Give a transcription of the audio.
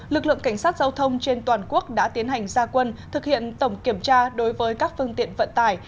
lực lượng cảnh sát giao thông trên toàn quốc đã tiến hành gia quân thực hiện tổng kiểm tra đối với các phương tiện vận tải